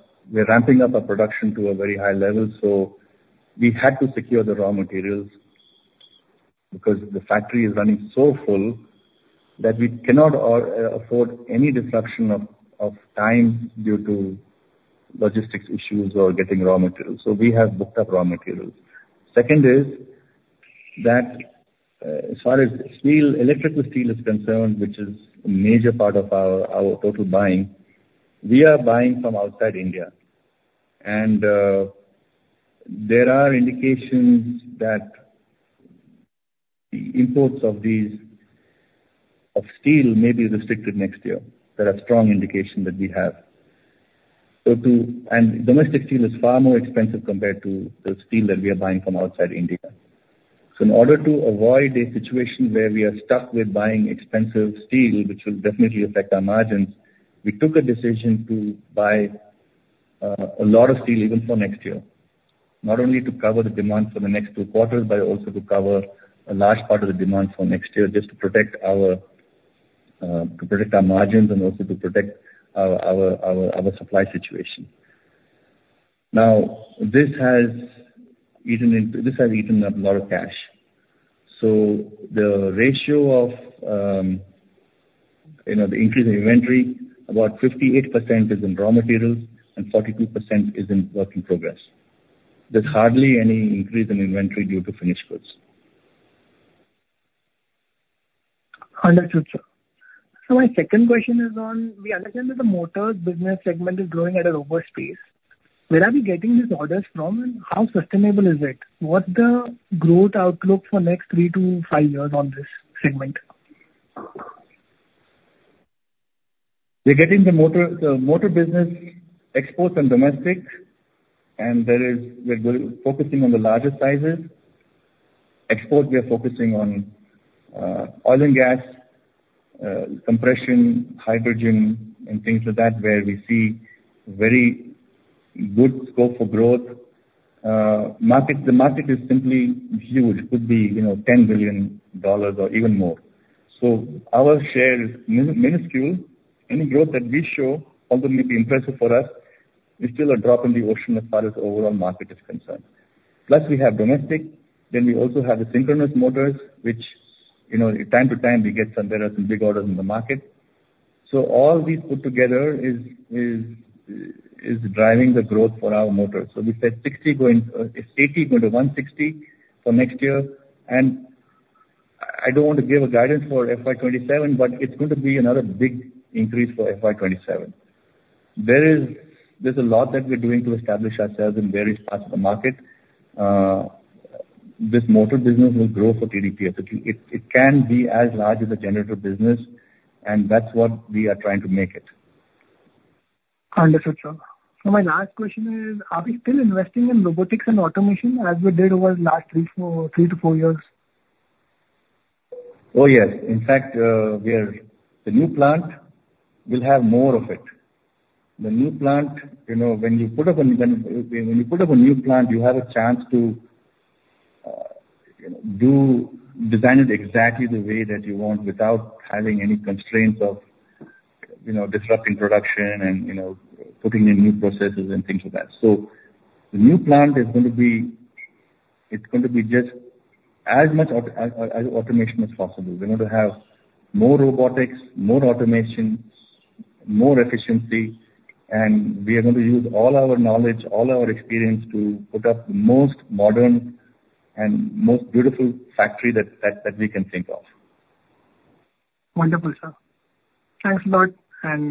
ramping up our production to a very high level, we had to secure the raw materials because the factory is running so full that we cannot afford any disruption of time due to logistics issues or getting raw materials. We have booked up raw materials. Second is that, as far as electrical steel is concerned, which is a major part of our total buying, we are buying from outside India. There are indications that the imports of steel may be restricted next year. There are strong indications that we have. Domestic steel is far more expensive compared to the steel that we are buying from outside India. In order to avoid a situation where we are stuck with buying expensive steel, which will definitely affect our margins, we took a decision to buy a lot of steel even for next year. Not only to cover the demand for the next two quarters, but also to cover a large part of the demand for next year just to protect our margins and also to protect our supply situation. Now, this has eaten up a lot of cash. The ratio of the increase in inventory, about 58% is in raw materials and 42% is in work in progress. There's hardly any increase in inventory due to finished goods. Understood, sir. My second question is on, we understand that the motors business segment is growing at a robust pace. Where are we getting these orders from, and how sustainable is it? What's the growth outlook for next three to five years on this segment? We're getting the motor business exports and domestic, and we're focusing on the larger sizes. Export, we are focusing on oil and gas, compression, hydrogen and things like that, where we see very good scope for growth. The market is simply huge. Could be $10 billion or even more. Our share is minuscule. Any growth that we show, although may be impressive for us, is still a drop in the ocean as far as overall market is concerned. Plus, we have domestic. We also have the synchronous motors, which, time to time, we get some very some big orders in the market. All these put together is driving the growth for our motors. We said it's 80 going to 160 for next year, and I don't want to give a guidance for FY 2027, but it's going to be another big increase for FY 2027. There's a lot that we're doing to establish ourselves in various parts of the market. This motor business will grow for TDPS. It can be as large as the generator business, and that's what we are trying to make it. Understood, sir. My last question is, are we still investing in robotics and automation as we did over last three to four years? Oh, yes. In fact, the new plant will have more of it. When you put up a new plant, you have a chance to design it exactly the way that you want without having any constraints of disrupting production and putting in new processes and things like that. The new plant, it's going to be just as much automation as possible. We're going to have more robotics, more automation, more efficiency, and we are going to use all our knowledge, all our experience to put up the most modern and most beautiful factory that we can think of. Wonderful, sir. Thanks a lot.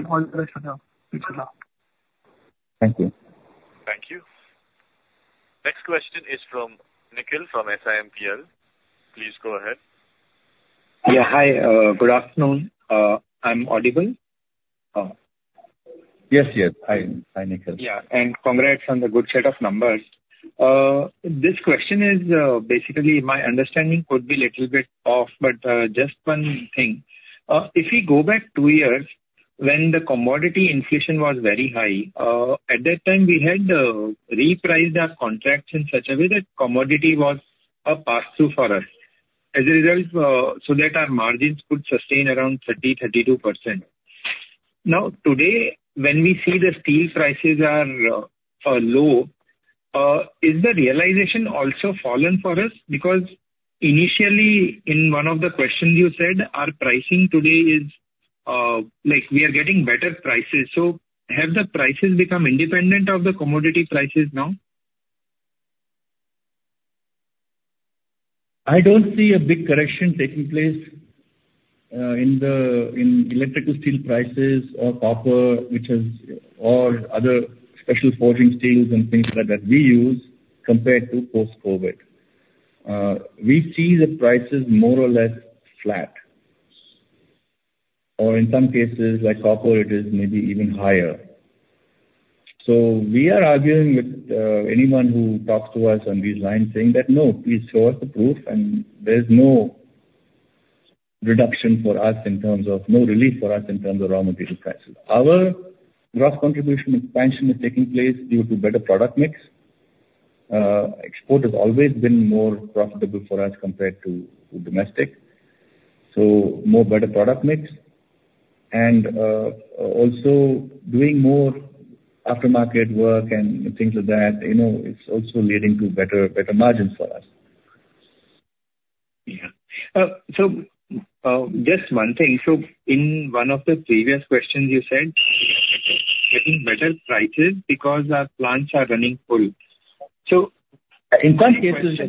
All the best sir. Best of luck. Thank you. Thank you. Next question is from Nikhil from Simpl. Please go ahead. Yeah. Hi. Good afternoon. I'm audible? Yes. Hi, Nikhil. Yeah. Congrats on the good set of numbers. This question is basically, my understanding could be little bit off, but just one thing. If we go back two years, when the commodity inflation was very high, at that time we had repriced our contracts in such a way that commodity was a pass-through for us. As a result, so that our margins could sustain around 30%-32%. Today, when we see the steel prices are low, is the realization also fallen for us? Because initially in one of the questions you said our pricing today is, we are getting better prices. Have the prices become independent of the commodity prices now? I don't see a big correction taking place in electrical steel prices or copper, or other special forging steels and things like that we use compared to post-COVID. We see the prices more or less flat. In some cases like copper, it is maybe even higher. We are arguing with anyone who talks to us on these lines saying that, "No, please show us the proof, and there's no relief for us in terms of raw material prices." Our gross contribution expansion is taking place due to better product mix. Export has always been more profitable for us compared to domestic, so more better product mix. Also doing more aftermarket work and things like that, it's also leading to better margins for us. Yeah. Just one thing. In one of the previous questions you said getting better prices because our plants are running full. In some cases,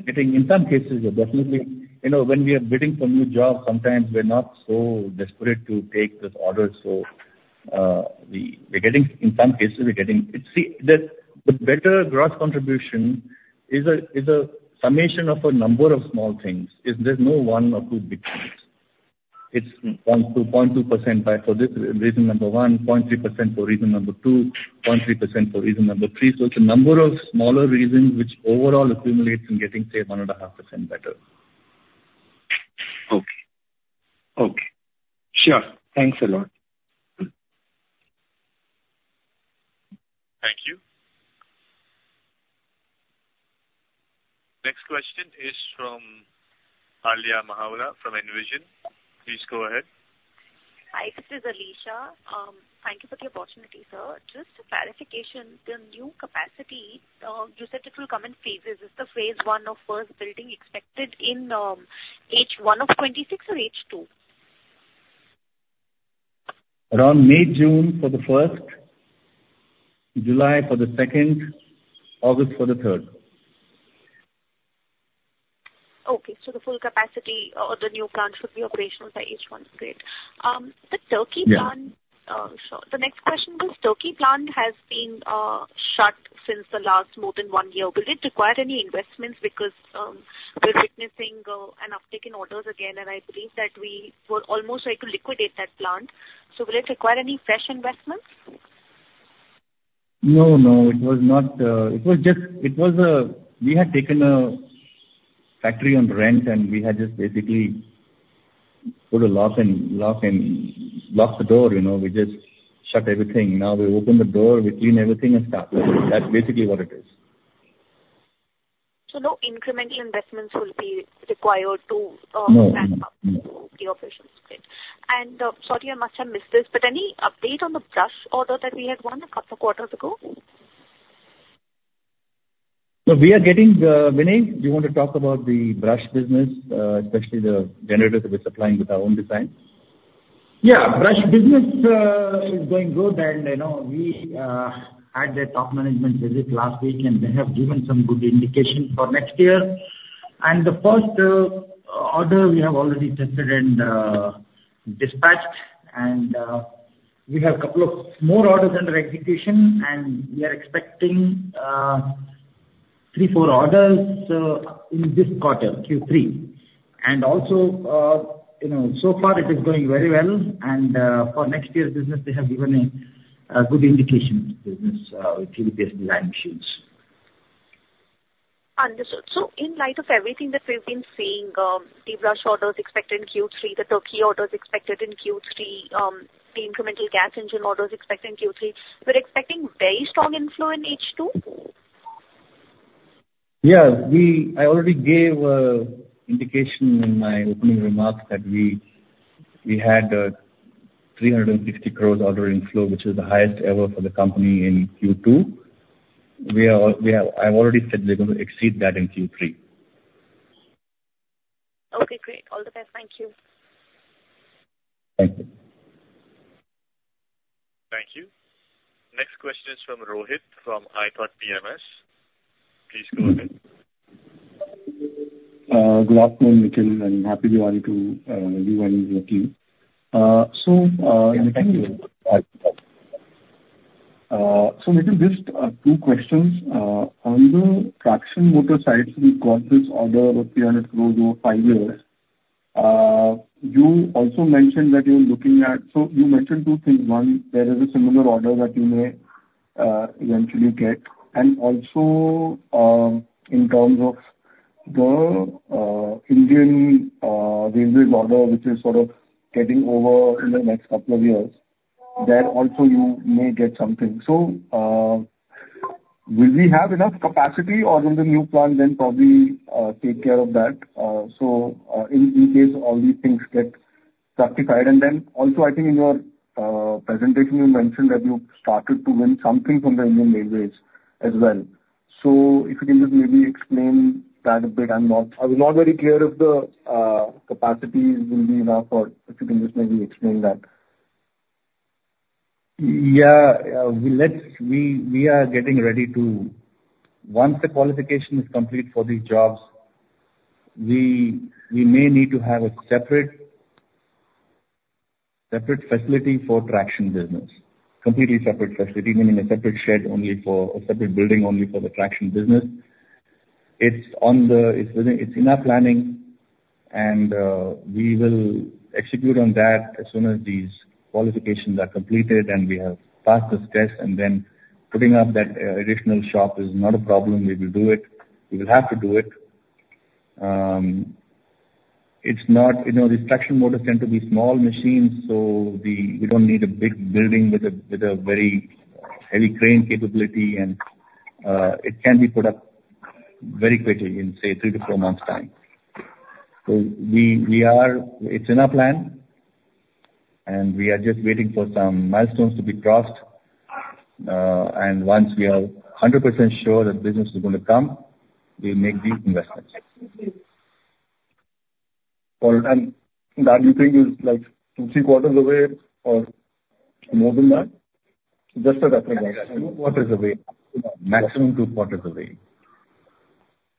when we are bidding for new jobs, sometimes we're not so desperate to take this order. In some cases, we're getting See, the better gross contribution is a summation of a number of small things, there's no one or two big things. It's 0.2% for this, reason number 1, 0.3% for reason number 2, 0.3% for reason number 3. It's a number of smaller reasons which overall accumulates in getting, say, 1.5% better. Okay. Sure. Thanks a lot. Thank you. Next question is from Alisha Mahawala from Envision. Please go ahead. Hi. This is Alisha. Thank you for the opportunity, sir. Just a clarification, the new capacity, you said it will come in phases. Is the phase 1 of first building expected in H1 of 2026 or H2? Around May, June for the first, July for the second, August for the third. Okay. The full capacity or the new plant should be operational by H1. Great. Yeah. The next question, this Turkey plant has been shut since the last more than one year. Will it require any investments because- Okay we're witnessing an uptick in orders again, and I believe that we were almost ready to liquidate that plant. Will it require any fresh investments? No. We had taken a factory on rent, and we had just basically put a lock and locked the door. We just shut everything. Now we open the door, we clean everything and start. That's basically what it is. No incremental investments will be required. No ramp up the operations. Great. Sorry, I must have missed this, but any update on the BRUSH order that we had won a couple quarters ago? Vinay, do you want to talk about the BRUSH business, especially the generators that we're supplying with our own design? Yeah. BRUSH business is going good. We had their top management visit last week. They have given some good indication for next year. The first order we have already tested and dispatched. We have couple of more orders under execution. We are expecting three, four orders in this quarter, Q3. So far it is going very well, and for next year's business, they have given a good indication to the business with TDPS design machines. Understood. In light of everything that we've been seeing, the BRUSH orders expected in Q3, the turbine orders expected in Q3, the incremental gas engine orders expected in Q3, we're expecting very strong inflow in H2? Yeah. I already gave an indication in my opening remarks that we had 360 crores order inflow, which is the highest ever for the company in Q2. I've already said we're going to exceed that in Q3. Okay, great. All the best. Thank you. Thank you. Thank you. Next question is from Rohit from iPoT PMS. Please go ahead. Good afternoon, Nikhil, and Happy Diwali to everyone in your team. Yeah. Thank you. Nikhil, just two questions. On the traction motor side, you got this order of 300 crore over five years. You mentioned two things. One, there is a similar order that you may eventually get. In terms of the Indian Railways order, which is sort of getting over in the next couple of years, there also you may get something. Will we have enough capacity or will the new plant then probably take care of that? In case all these things get ratified. I think in your presentation, you mentioned that you started to win something from the Indian Railways as well. If you can just maybe explain that a bit. I was not very clear if the capacity will be enough, or if you can just maybe explain that. Yeah. Once the qualification is complete for these jobs, we may need to have a separate facility for traction business. Completely separate facility, meaning a separate building only for the traction business. It's in our planning, and we will execute on that as soon as these qualifications are completed and we have passed this test, putting up that additional shop is not a problem. We will do it. We will have to do it. These traction motors tend to be small machines, so we don't need a big building with a very heavy crane capability, and it can be put up very quickly in, say, three to four months time. It's in our plan, and we are just waiting for some milestones to be crossed. Once we are 100% sure that business is going to come, we'll make these investments. That you think is two, three quarters away? Or more than that? Just a rough idea. Two quarters away. Maximum two quarters away.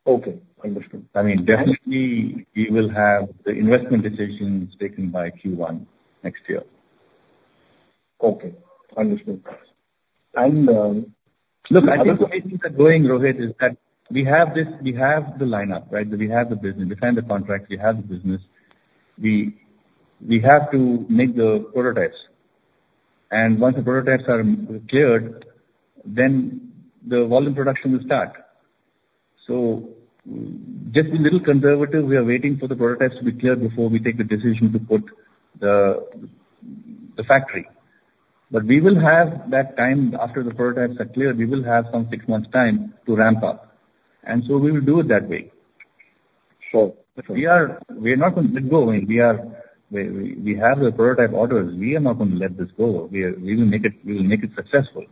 Okay. Understood. Definitely, we will have the investment decisions taken by Q1 next year. Okay. Understood. Look, I think the way things are going, Rohit, is that we have the lineup, right? We have the business. We signed the contract, we have the business. We have to make the prototypes, and once the prototypes are cleared, the volume production will start. Just a little conservative, we are waiting for the prototypes to be cleared before we take the decision to put the factory. We will have that time after the prototypes are cleared, we will have some six months time to ramp up. We will do it that way. Sure. We're not going to let go. We have the prototype orders. We are not going to let this go. We will make it successful.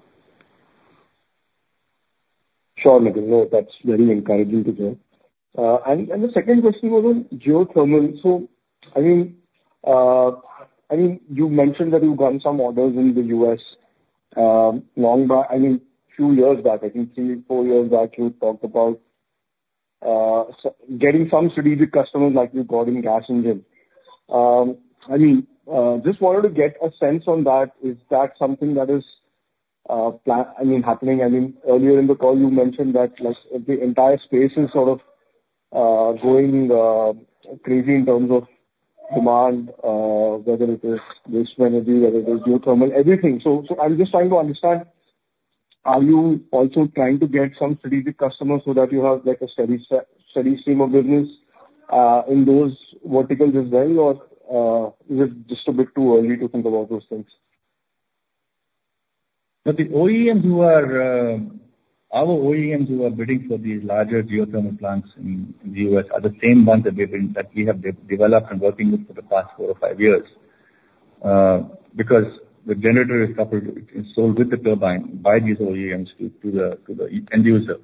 Sure, Nikhil. That's very encouraging to hear. The second question was on geothermal. You mentioned that you've gotten some orders in the U.S. a few years back. I think three, four years back, you talked about getting some strategic customers like you got in gas engine. Just wanted to get a sense on that. Is that something that is happening? Earlier in the call, you mentioned that the entire space is sort of going crazy in terms of demand, whether it is waste-to-energy, whether it is geothermal, everything. I'm just trying to understand, are you also trying to get some strategic customers so that you have a steady stream of business in those verticals as well, or is it just a bit too early to think about those things? Our OEMs who are bidding for these larger geothermal plants in the U.S. are the same ones that we have developed and working with for the past four or five years. The generator is coupled and sold with the turbine by these OEMs to the end user.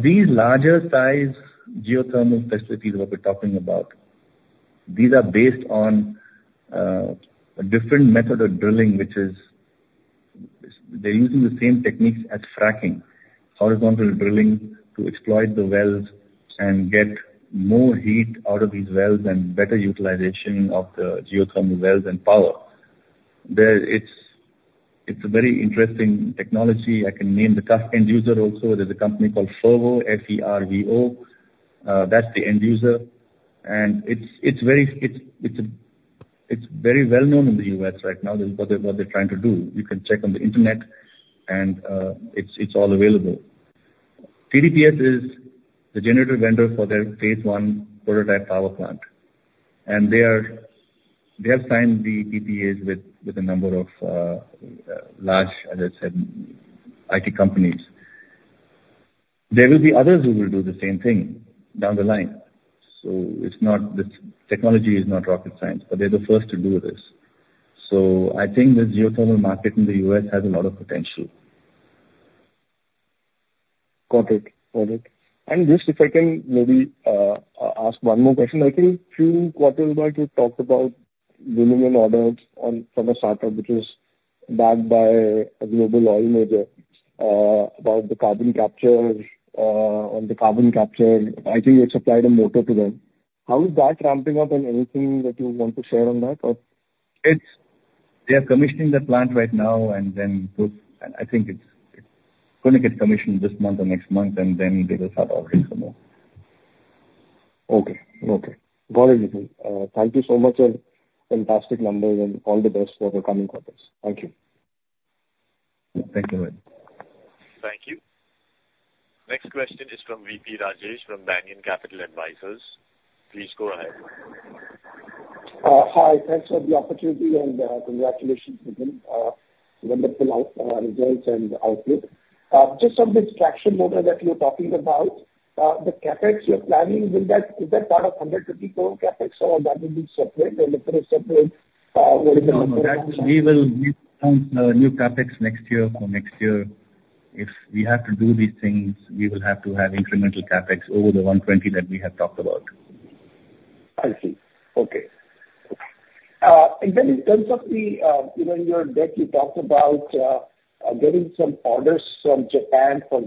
These larger size geothermal facilities that we're talking about, these are based on a different method of drilling. They're using the same techniques as fracking, horizontal drilling to exploit the wells and get more heat out of these wells and better utilization of the geothermal wells and power. It's a very interesting technology. I can name the end user also. There's a company called Fervo, F-E-R-V-O. That's the end user. It's very well known in the U.S. right now what they're trying to do. You can check on the internet, it's all available. TDPS is the generator vendor for their phase one prototype power plant. They have signed the PPAs with a number of large, as I said, IT companies. There will be others who will do the same thing down the line. This technology is not rocket science, but they're the first to do this. I think this geothermal market in the U.S. has a lot of potential. Got it. Just if I can maybe ask one more question. I think a few quarter back, you talked about winning an order from a startup which was backed by a global oil major, about the carbon capture. On the carbon capture, I think you had supplied a motor to them. How is that ramping up, and anything that you want to share on that? They are commissioning the plant right now. I think it's going to get commissioned this month or next month. They will start offering some more. Okay. Got it. Thank you so much, and fantastic numbers, and all the best for the coming quarters. Thank you. Thank you. Thank you. Next question is from V.P. Rajesh from Banyan Capital Advisors. Please go ahead. Hi, thanks for the opportunity. Congratulations again. Wonderful results and outlook. Just on the traction motor that you're talking about, the CapEx you're planning, is that part of 150 crore CapEx or that will be separate? No, we will need some new CapEx next year. For next year, if we have to do these things, we will have to have incremental CapEx over the INR 120 that we have talked about. I see. Okay. In terms of your deck, you talked about getting some orders from Japan for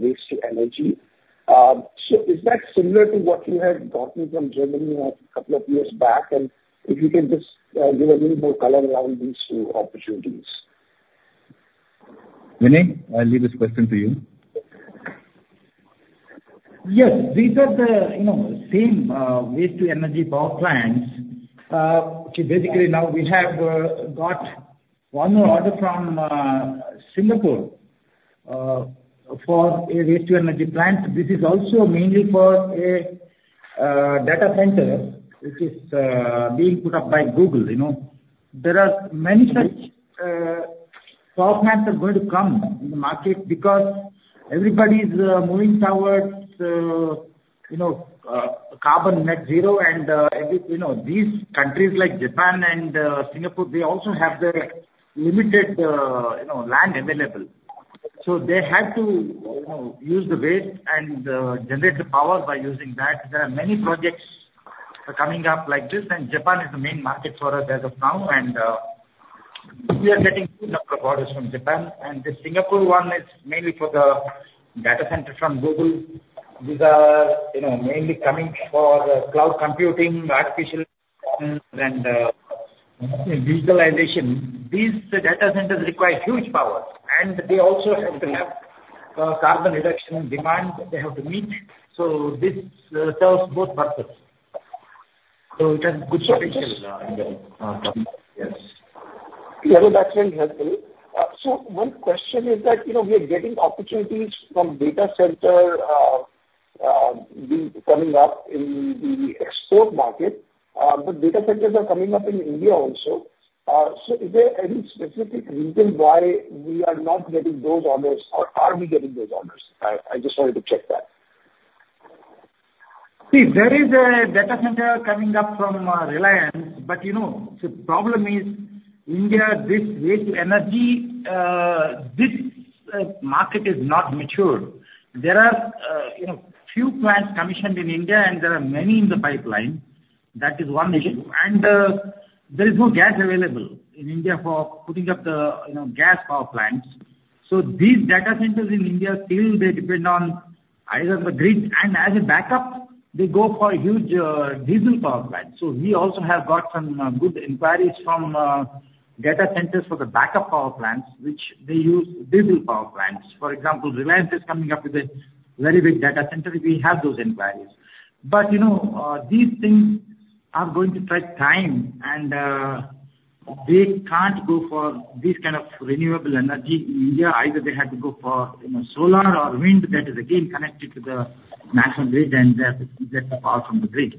waste-to-energy. Is that similar to what you had gotten from Germany a couple of years back? If you can just give a little more color around these two opportunities. Vinay, I'll leave this question to you. Yes. These are the same waste-to-energy power plants. Basically, now we have got one more order from Singapore for a waste-to-energy plant. This is also mainly for a data center which is being put up by Google. There are many such power plants that are going to come in the market because everybody's moving towards carbon net zero. These countries like Japan and Singapore, they also have their limited land available. They had to use the waste and generate the power by using that. There are many projects coming up like this, Japan is the main market for us as of now. We are getting good number of orders from Japan. The Singapore one is mainly for the data center from Google. These are mainly coming for cloud computing, artificial intelligence, and virtualization. These data centers require huge power, they also have to have carbon reduction demand they have to meet. This serves both purposes. It has good potential in that. Yes. That's very helpful. One question is that we are getting opportunities from data center coming up in the export market. Data centers are coming up in India also. Is there any specific reason why we are not getting those orders, or are we getting those orders? I just wanted to check that. There is a data center coming up from Reliance. The problem is India, this waste-to-energy, this market is not matured. There are few plants commissioned in India and there are many in the pipeline. That is one issue. There is no gas available in India for putting up the gas power plants. These data centers in India, still they depend on either the grid and as a backup, they go for huge diesel power plants. We also have got some good inquiries from data centers for the backup power plants, which they use diesel power plants. For example, Reliance is coming up with a very big data center. We have those inquiries. These things are going to take time. They can't go for this kind of renewable energy in India. Either they have to go for solar or wind, that is again connected to the national grid, they have to get the power from the grid.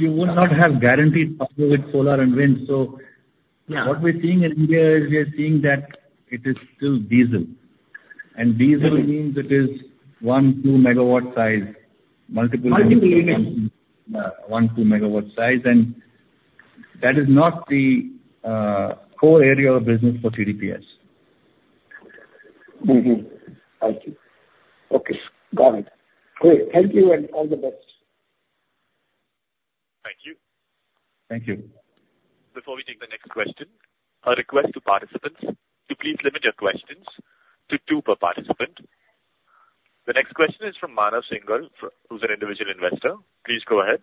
You would not have guaranteed power with solar and wind. Yeah What we're seeing in India is we are seeing that it is still diesel. Diesel means it is 1, 2 megawatt size. Multiple units 1, 2 megawatt size. That is not the core area of business for TDPS. Mm-hmm. I see. Okay. Got it. Great. Thank you, and all the best. Thank you. Thank you. Before we take the next question, a request to participants to please limit your questions to two per participant. The next question is from Manav Singhal, who's an individual investor. Please go ahead.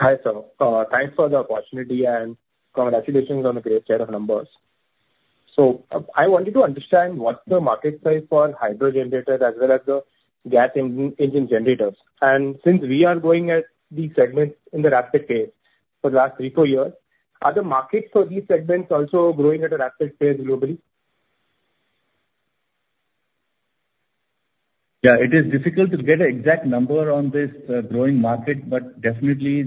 Hi, sir. Thanks for the opportunity, congratulations on the great set of numbers. I wanted to understand what's the market size for hydro generators as well as the gas engine generators. Since we are growing at these segments in the rapid pace for the last three, four years, are the markets for these segments also growing at a rapid pace globally? It is difficult to get an exact number on this growing market, but definitely,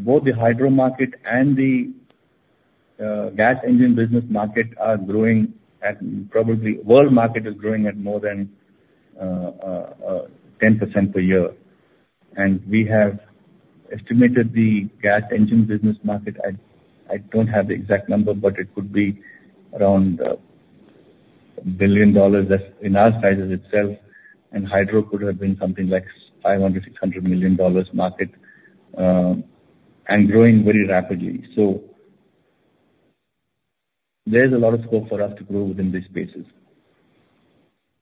both the hydro market and the gas engine business market are growing at World market is growing at more than 10% per year. We have estimated the gas engine business market, I don't have the exact number, but it could be around $1 billion that is in our sizes itself, and hydro could have been something like $500 million-$600 million market, growing very rapidly. There is a lot of scope for us to grow within these spaces.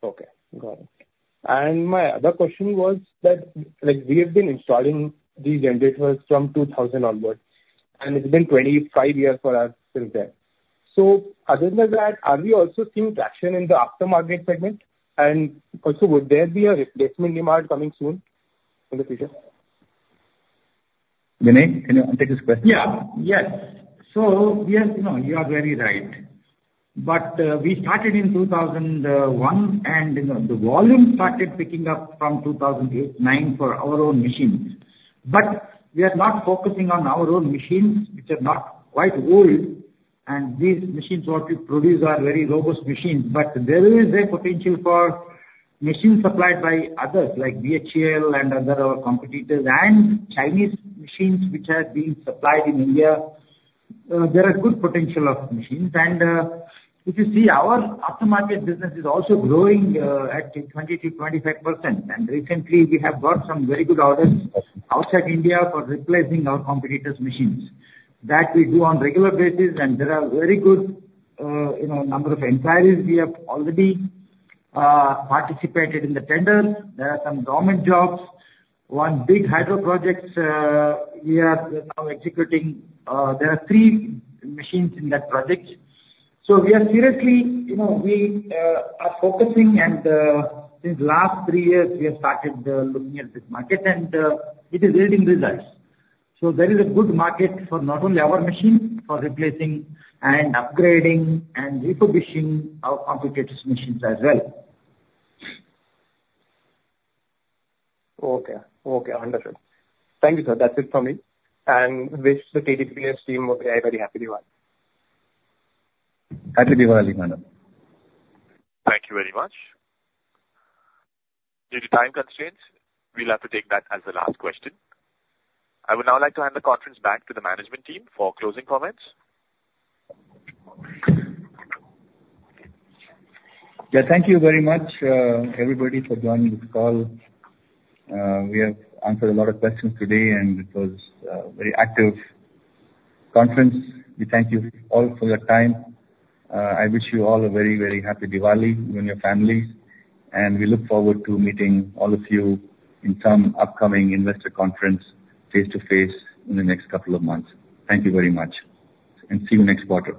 Okay. Got it. My other question was that, we have been installing these generators from 2000 onwards, and it has been 25 years for us since then. Other than that, are we also seeing traction in the aftermarket segment? Also would there be a replacement demand coming soon, in the future? Vinay, can you take this question? Yes. You are very right. We started in 2001, and the volume started picking up from 2008, 2009 for our own machines. We are not focusing on our own machines, which are not quite old, and these machines what we produce are very robust machines. There is a potential for machines supplied by others like BHEL and other competitors, Chinese machines which are being supplied in India. There are good potential of machines. If you see, our aftermarket business is also growing at 20%-25%. Recently, we have got some very good orders outside India for replacing our competitors' machines. That we do on regular basis, there are very good number of inquiries. We have already participated in the tender. There are some government jobs. One big hydro projects, we are now executing. There are three machines in that project. We are seriously focusing, since last three years, we have started looking at this market and it is yielding results. There is a good market for not only our machine, for replacing and upgrading and refurbishing our competitors' machines as well. Okay. Wonderful. Thank you, sir. That's it from me. Wish the TDPS team a very happy Diwali. Happy Diwali, Madam. Thank you very much. Due to time constraints, we'll have to take that as the last question. I would now like to hand the conference back to the management team for closing comments. Yeah, thank you very much, everybody, for joining this call. We have answered a lot of questions today, and it was a very active conference. We thank you all for your time. I wish you all a very happy Diwali, you and your families, and we look forward to meeting all of you in some upcoming investor conference, face-to-face, in the next couple of months. Thank you very much, and see you next quarter.